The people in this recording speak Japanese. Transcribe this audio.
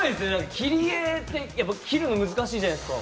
切り絵って切るの難しいじゃないですか。